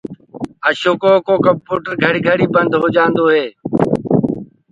اشوڪو ڪمپيوٽر گھڙي گھڙي بنٚد هوجآنٚدو هي